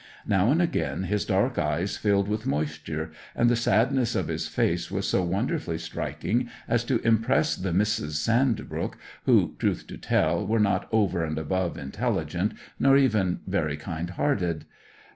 Now and again his dark eyes filled with moisture, and the sadness of his face was so wonderfully striking as to impress the Misses Sandbrook, who, truth to tell, were not over and above intelligent, nor even very kind hearted.